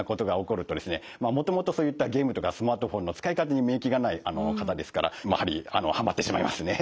まあもともとそういったゲームとかスマートフォンの使い方に免役がない方ですからやはりはまってしまいますね。